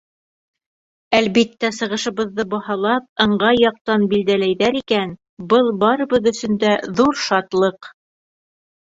Әлбиттә, сығышыбыҙҙы баһалап, ыңғай яҡтан билдәләйҙәр икән, был — барыбыҙ өсөн дә ҙур шатлыҡ.